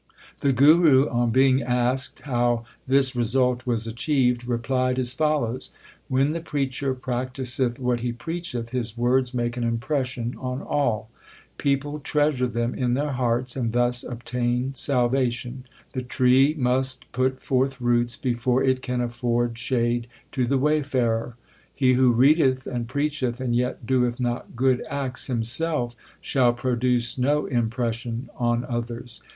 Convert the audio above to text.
The Guru, on being asked how this result was achieved, replied as follows : When the preacher practiseth what he preacheth, his words make an impression on all. People treasure them in their hearts and thus obtain salvation. The tree must put forth roots before it can afford shade to the wayfarer. He who readeth and preacheth and yet doeth not good acts himself, shall produce no impression on others.